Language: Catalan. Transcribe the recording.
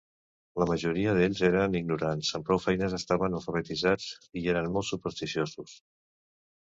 La majoria d'ells eren ignorants, amb prou feines estaven alfabetitzats, i eren molt supersticiosos.